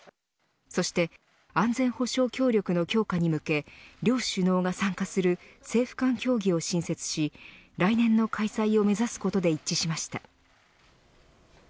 そして安全保障協力の強化に向け両首脳が参加する政府間協議を新設し来年の開催を目指すことで一致しました。